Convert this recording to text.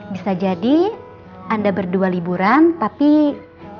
bisa jadi anda berdua liburan tapi pikiran berdua gak terlalu baik baik saja ya